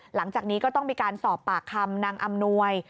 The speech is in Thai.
หลังจากนี้ก็ต้องมีการสอบปากคำนางอำนวย